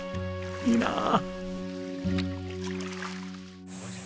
いいなあ。